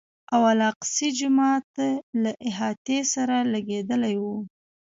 او الاقصی جومات له احاطې سره لګېدلی و.